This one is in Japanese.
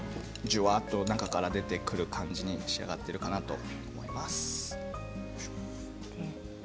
じゅわっと中から出てくる感じに仕上がっているかなと思います。